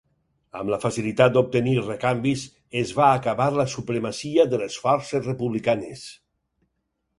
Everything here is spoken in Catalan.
Amb la facilitat d'obtenir recanvis, es va acabar la supremacia de les forces republicanes.